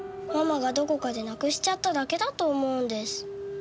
ママがどこかでなくしちゃっただけだと思うんです。